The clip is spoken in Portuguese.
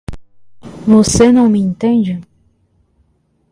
Você não me entende?